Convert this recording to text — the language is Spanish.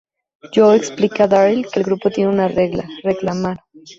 Joe explica a Daryl que el grupo tiene una regla, "Reclamar".